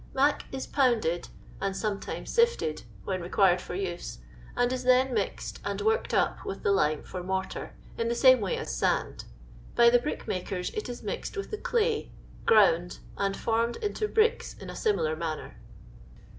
" Mac," is pounded, and sometimes sifted, w^hen required for use, and is then mixed and " worked up" with the lime for mortar, in the same way as sand. By the brickmakers it is mixed with the clay, ground, and formed into bricks in a similar manner.